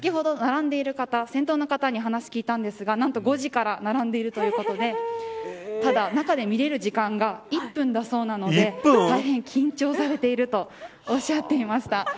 先ほど、並んでいる方先頭の方に話を聞いたんですが５時から並んでいるということでただ、中で見れる時間が１分だそうなので大変緊張されているとおっしゃっていました。